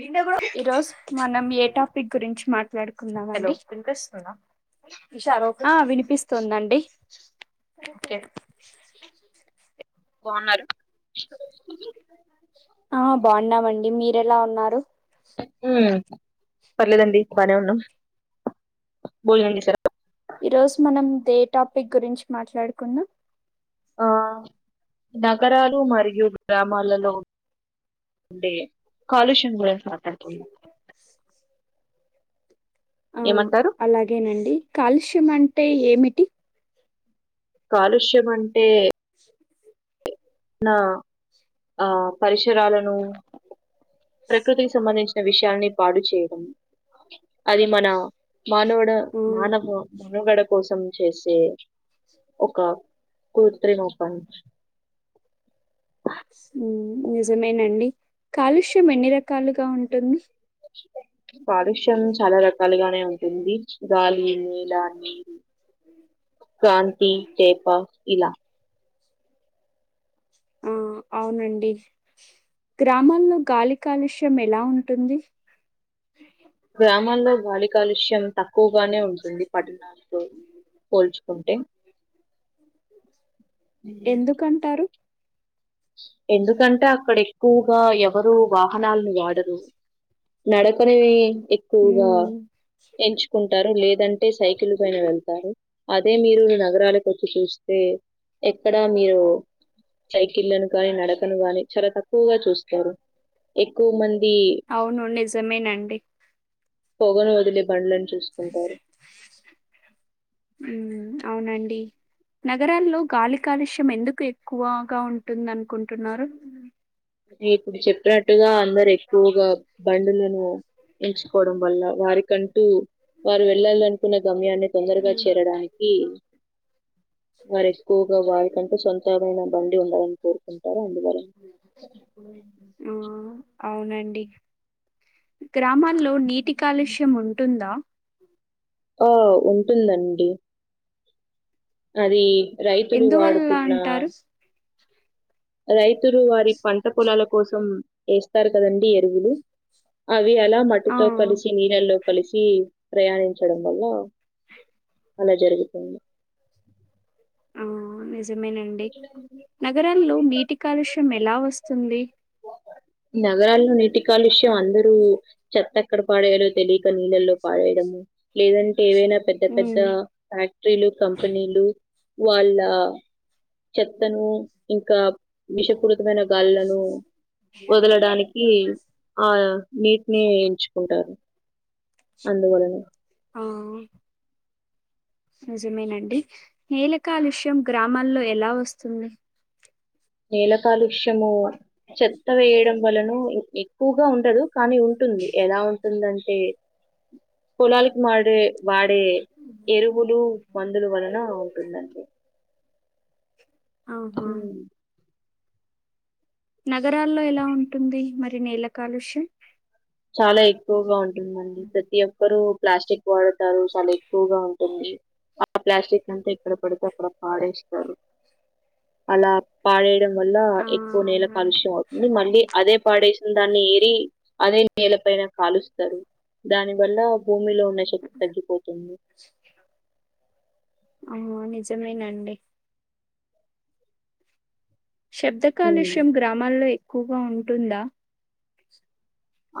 నిన్న కూడా ఇ రోజ్ మనం ఏ టాపిక్ గురించి మాట్ హలో ట్లాడుకుందామండి వినిపిస్తుందా విషారో ఆ ఓకే వినిపిస్తుందండి బవున్నార ఆ బాగున్నామండి మీరెలా ఉన్నారు ఉమ్ పర్లేదండి బనే ఉన్నా బోజనం చేసార ఈ రోజు మనం దే టాపిక్ గురించి మాట్లాడుకుందం ఆ నగరాలు మరియు గ్రామాలలో అంటే కాలుష్యంగురించి మాట్లాడుకుందాం ఆ ఏమంటారు అలాగేనండి కాలుష్యం అంటే ఏమిటి కాలుష్యం అంటే నా ఆ పరిసరాలను ప్రకృతికి సంబంధించిన విషయాని పాడు చేయడం అది మన మనవుడా ఆ మనవ మనుగడ కోసం చేసే ఒక కృత్రిమ పని ఉమ్ నిజమేనండి కాలుష్యం ఎన్ని రకాలుగా ఉంటుంది కాలుష్యం చాలా రకాలుగానే ఉంటుంది గాలి నేల నీరు కాంతి చేప ఇలా ఆ అవునండి గ్రామాల్లో గాలి కాలుష్యం ఎలా ఉంటుంది గ్రామాల్లో గాలి కాలుష్యం తక్కువగానే ఉంటుంది పట్టణాలతో పోల్చు కుంటే ఎందుకంటారు ఎందుకంటే అక్కడ ఎక్కువగా ఎవరు వాహనాలను వాడరు నడపనివి ఎక్కువగా ఉమ్, ఎంచుకుంటారు లేదంటే సైకిల్ పైన వెళ్తారు అదే మీరు నగరాలకు వచ్చి చూస్తే ఎక్కడా మీరు సైక్ కిల్లను కాని నడకను గాని చాలా తక్కువగా చూస్తారు ఎక్కువ మంది అవును నిజమేనండి పొగను వదిలే బండ్లను చూసుకుంటారు ఉమ్ అవునండి నగరాల్లో గాలి కాలుష్యం ఎందుకు ఎక్కువగా ఉంటుందనుకుంటున్నారు మీకు ఇప్పుడు చెప్పినట్టుగా అందరు ఎక్కువగా బండులను ఎంచుకోవడం వల్ల వారికంటూ వారు వెళ్ళాలనుకున్న గమ్యాన్ని తొందరగా చేరడానికి వారు ఎక్కువగా వారి కంటు సొంత ఏదైనన బండి ఉండాలని కోరుకుంటారు అందువలన ఆ అవునండి గ్రామాల్లో నీటి కాలుష్యం ఉంటుందా ఆ ఉంటుందండి అది రైతులు ఎందువల్ల వాడుకున్నా అంటారు? రైతులు వారి పంట పొలాల కోసం ఏస్తారు కదండి ఎరువులు అ అవి ఎలా ఆ మట్టితో కలిసి నీళ్ళల్లో కలిసి ప్రయాణించడం వల్ల అలా జరుగుతుంది ఆ నిజ్ నిజమేనండి నగరాల్లో నీటి కాలుష్యం ఎలా వస్తుంది నగరాల్లో నీటి కాలుష్యం అందరూ చెత్త ఎక్కడ పాడేయల్లో తెలియక నీళ్ళల్లో పాడేయడము లేదం ఏవైనా పెద్ద పెద్ద హ్మ్. ఫ్యాక్టరీలు కంపెనీలు వాళ్ళ చెత్తను ఇంకా విషపురు తమైన గాళ్లను వదలడానికి ఆ నీటిని ఎంచుకుంటారు అందువలన ఆ నిజమేనండి నేల కాలుష్యం గ్రామాల్లో ఎలా వస్తుంది నేల కాలుష్యము చెత్త వేయడం వలనో ఎక్కువగా ఉండదు కానీ ఉంటుంది ఎలా ఉంటుందంటే పొలాలకి మాడే వాడ్ డే ఎరువులు మందులు వలన ఉంటుందండి అఔహా హ్మ్. నగరాల్లో ఎలా ఉంటుంది మరి నేల కాలుష్యం చాలా ఎక్కువగా ఉంటుందండి ప్రతి ఒక్కరూ ప్లాస్టిక్ వాడటాలు చాలా ఎక్కువగా ఉంటుంది ఆ ప్లాస్టిక్ అంతా ఇక్కడ పడితే అక్కడ పాడేస్తారు అలా పాడేయడం వల్ల ఆ ఎక్కువ నేల అవునండి. కాలుష్యం అవుతుంది మళ్ళీ అదే పాడేసిన దాన్ని ఏరి అదే నేల పైన కాలుస్తారు దాని వల్ల భూమిలో శక్తి తగ్గిపోతుంది అహ నిజమేనండి శబ్ద హ్మ్. కాలుష్యం గ్రామాల్లో ఎక్కువగా ఉంటుందా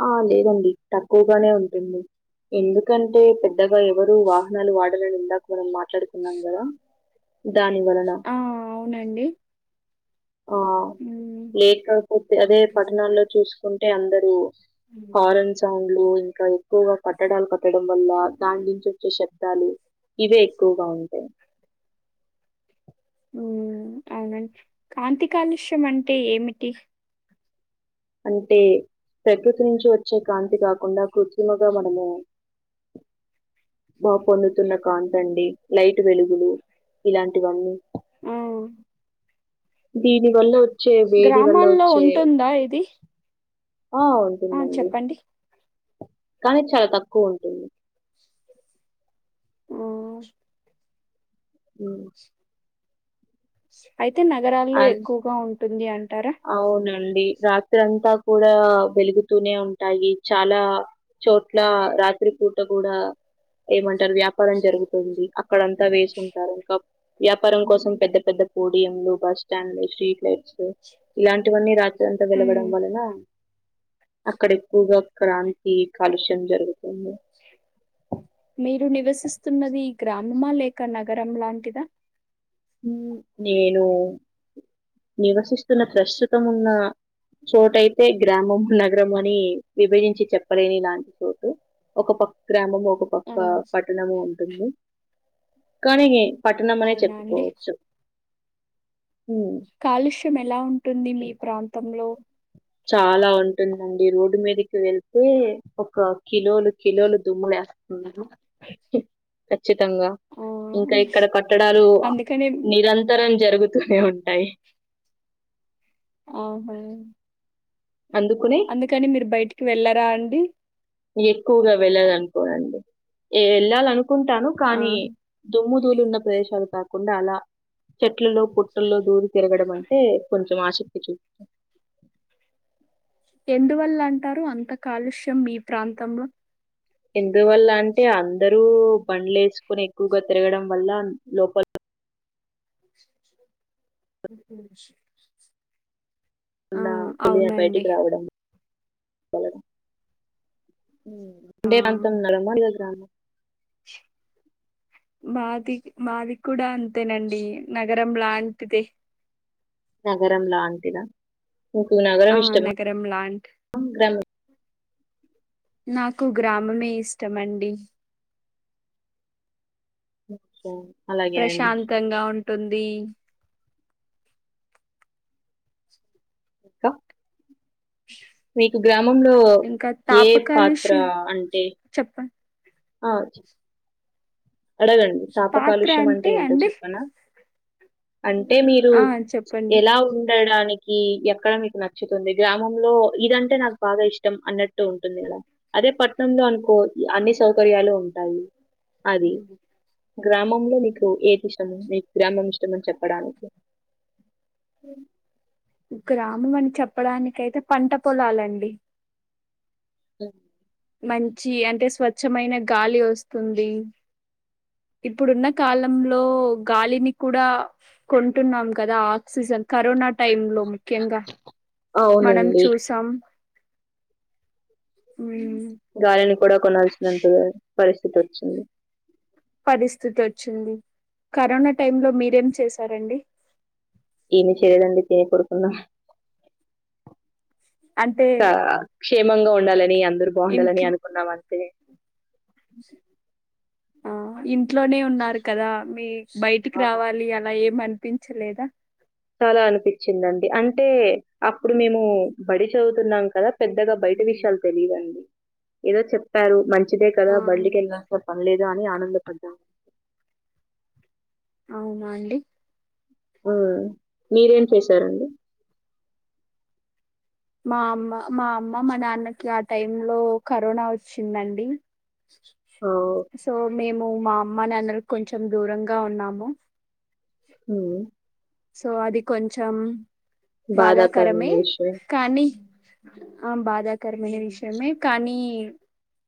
ఆ లేదండి తక్కువగానే ఉంటుంది ఎందుకంటే పెద్ పెద్దగా ఎవరు వాహనాలు వాడరని ఇందాక మనం మాట్లాడుకున్నాం కదా ఆ అవునండి ఆ హ్మ్. లేకపోతే అదే పట్టణాల్లో చూసుకుంటే అందరూ హారన్ సౌండ్లు ఇంకా ఎక్కువగా కట్టడాలు కట్టడం వల్ల దాని నుంచి వచ్చే శ డాలి ఇవే ఎక్కువగా ఉంటాయి. ఊ అవునండి, కాంతి కాలుష్యం అంటే ఏమిటి. అంటే ప్రకృతి నుంచి వచ్చే కాంతి కాకుండా, కృత్రిమగా మనము. బా పొందుతున్న కాంతండి, లైట్ వెలుగులు, ఇలాంటివన్నీ. ఆ. దీని వల్ల వొచ్చే, వేడి వల్ల గ్రామాల్లో వొచ్చే. ఉంటుందా ఇది? ఆ ఆ! ఉంటుందండి. చెప్పండి. కానీ చాలా తక్కువ ఉంటుంది. ఆ. ఊ. అయితే నగరాల్లో ఎక్కువగా ఉంటుంది అన్. అవునం. ఇ రాత్రంతా కూడా వెలుగుతూనే ఉంటాయి, చాలా చోట్ల రా రాత్రి పూట కూడా, ఏమంటారు వ్యాపారం జరుగుతుంది అ. అక్కడంతా వేసుంటారు, ఇంకా వ్యాపారం కోసం పెద్ద పెద్ద పోడియంలు, బస్ స్టాండ్లు సి. లైట్సు ఇలాంటివన్నీ రాత్రి అంతా వెలగడం హ్మ్. వలన. అక్కడ ఎక్కువగా క్రాంతి కాలుష్యం జరుగుతుంది. మీరు నివసిస్తున్నది గ్రామమా లేక నగరం లాంటిదా. నేను, నివసిస్తున్న ప్రస్తుతం ఉన్న. చోటయితే గ్రామం నగరం అని, విభజించి చెప్పలేని ఇలాంటి చోటే. ఒక పక్ గ్రాము ఒక పక్. ఆ! ఒక పట్టణము ఉంటుంది, కానీ పట్టణం అనే అవునా చెప్ప. అండి. హ్మ్. కాలుష్యం ఎలా ఉంటుంది మీ ప్రాంతంలో. చాలా ఉంటుందండి రోడ్డు మీదకి వెళ్తే, ఒక కిలోలు కిలోలు దుమ్ము లేస్. [unintelligible] ఉచ్చితంగా, ఆ! ఇంకా ఇక్కడ కట్టడాలు అ అందుకనే నిరంతరం. జరుగుతూనే ఉంటాయి. ఆహా. అందుకనే అందుకని మీరు బయటికి వెళ్ళరాా అండి. ఎక్కువగా వెళ్ళాలనుకోనండి, వెళ్ళాలనుకుంటాను ఆ కానీ దుమ్ము. ధూలు ఉన్న ప్రదేశాలు కాకుండా అలా. చెట్లలో పుట్టల్లో దూరి తిరగడం అంటే, కొంచెం ఆసక్తి చూ. ఎందువల్ల అంటారు, అంత కాలుష్యం మీ ప్రాంతంలో. ఎందువల్ల అంటే అందరూ, బండ్లు వేసుకొని ఎక్కువగా తిరగడం వల్ల లోపల. [inaudible] ఆ ఉన్న కూలీన అవునండి బయటికి రావడం వలన. ఆ నేను అంతున్ నల్ల మళ్ల గ్రామం. మాది, మాది కూడా అంతేనండి, నగరం లాంటిదే. నగరం లాంటిద. నీకు నగరం ఆ ఇష్టమా నగరం లాంటి గ్రమం. నాకు గ్రామమే ఇష్టమండి. [inaudible] ప్రశాంతంగా ఉంటుంది. ఇంకా. మీకు గ్రామంలో, ఇంకా ఏ పాత్ర తాపకాలుష్యం అంటే. చెప్ప అ చి. అడగండి తాప పాత్ర కాలుష్యం అంటే, ఏంటో అండి చెప్పన. అంటే మీరు ఆ చెప్పండి ఎలా ఉండడాని. కి ఎక్కడ మీకు నచ్చతుంది గ్రామంలో ఇదంటే నాకు బాగా ఇష్టం అన్నట్టు ఉంటుంది కద అదే పట్నంలో అనుకో అన్ని సౌకర్యాలు ఉంటాయి అది గ్రామంలో నీకు ఏది ఇష్టము మీకు గ్రామం ఇష్టమని చెప్పడానికి మ్ గ్రామం అని చెప్పడానికయితే పంట పొలాలండి అ మంచి అంటే స్వచ్ఛమైన గాలి వస్తుంది ఇప్పుడు ఉన్న కాలంలో గాలిని కూడా కొంటున్నాం కదా ఆక్సిజన్ కరోనా టైంలో లో ముఖ్యంగా మనం అవునండి. చూసాం ఉమ్, గాలిని కూడా కొనాల్సినంతగా పరిస్థితి వచ్చింది పరిస్థితి వచ్చింది కరోనా టైంలో మీరేం చేసారంండి ఏమి చేయనందుకు భయపడుతున్న అంటే ఆ క్షేమంగా ఉండాలని అందరు బాగుండాలని ఇంకి అనుకున్నాం అంతే ఆ ఇంట్లోనే ఉన్నారు కదా మీ బయటికి ఆ! రావాలి అలా ఏం అనిపించలేదా చాలా అనిపించిందండి అంటే అప్పుడు మేము బడి చదువుతున్నాం కదా పెద్దగా బయట విషయాలు తెలివండి ఏదో చెప్పారు మంచిదే కదా ఆ బయటికి వెళ్లినాక లేదు అని ఆనందపడ్డాము అవునా అండి ఆ మీరేం చేసారండి మా అమ్మ మా అమ్మ మా నాన్నకి ఆ టైంలో కరోనా వచ్చిందండి ఆ, సో మేము మా అమ్మ నాన్నలకి కొంచెం దూరంగా ఉన్నాము మ్ సో అది కొంచెం బాధాకరమైన బాధాకరమే విషయం కానీ ఆ బాధాకరమైన విషయమే కానీ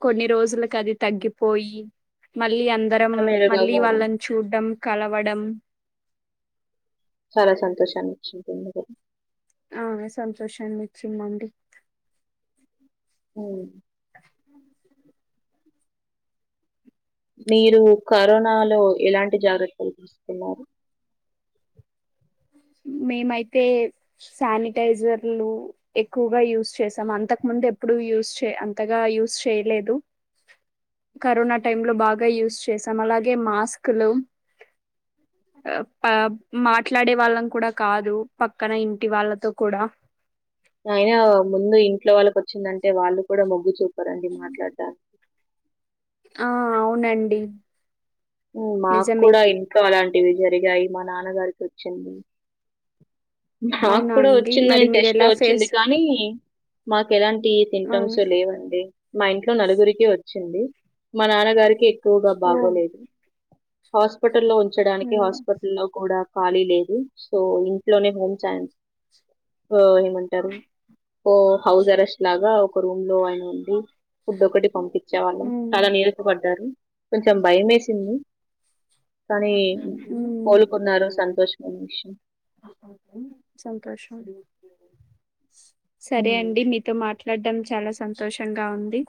కొన్ని రోజులకు అది తగ్గిపోయి మళ్ళీ అందరం మీరుగా మళ్ళీ కూడా వాళ్ళని చూడ్డం కలవడం చాలా సంతోషాన్ని ఇచ్చినట్టుంది కదా ఆ సంతోషాన్ని ఇచ్చిమ్మండి మ్ మీరు కరోనాలో ఎలాంటి జాగ్రత్తలు తీసుకున్నారు మేమైతే శానిటైజర్లు ఎక్కువగా యూజ్ చేసాం అంతకు ముందు అంటే ఎప్పుడు యూస్ చే అంతగా యూజ్ చేయలేదు కరోనా టైమ్ లో బాగా యూజ్ చేశాం అలాగే మాస్క్లు అప్ ప మాట్లాడే వాళ్ళం కూడా కాదు పక్కన ఇంటి వాళ్ళతో కూడా ఆయినా ముందు ఇంట్లో వాళ్ళకు వచ్చిందంటే వాళ్ళు కూడా మొగ్గు చూపారండి మాట్లాడానికి ఆ అవునండి మాకు నిజమే కూడా ఇంట్లో అలాంటివి జరిగాయి మా నాన్నగారికి వచ్చింది మాకు అవునా కూడా అండి మరి వచ్చిందని మీరు టెస్ట్ లో ఎలా ఫేస్ వచ్చింది కానీ మాకు ఎలాంటి ఆ సింటమ్స్ లేవండి మా ఇంట్లో నలుగురికి వచి వచ్చింది మా నాన్నగారికి ఎక్కువగా ఓ బాగోలేదు హాస్పిటల్ లో ఉంచడానికి ఉమ్, హాస్పిటల్లో కూడా ఖాళీ లేదు సో ఇంట్లోనే హోమ్స్యండ్ ఓ ఏమంటారు ఓ హౌస్ అరెస్ట్ లాగా ఒక రూమ్ లో ఆయన ఉండి ఫుడ్ ఒకటి పంపి వచ్చేవాళ్ళం ఉమ్, చాలా నీరస పడ్డారు కొంచెం భయ మేసింది కానీ ఉమ్. కోలుకున్నారు సంతోషమైన విషయం సంతోషం సరే ఉమ్, అండి మీతో మాట్లా ట్లాడం చాలా సంతోషంగా ఉంది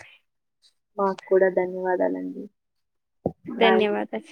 మాకు కూడా ధన్యవాదాలండి బాయ్ ధన్యవాదలు